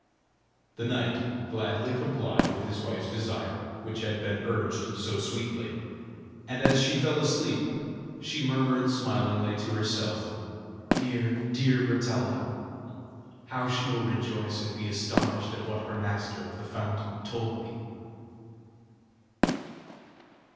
The knight gladly complied with his wife's desire, which had been urged so sweetly, and as she fell asleep, she murmured smilingly to herself: "Dear, dear Bertalda! How she will rejoice and be astonished at what her master of the fountain told me!"